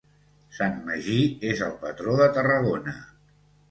Sant Magí és el patró de Tarragona.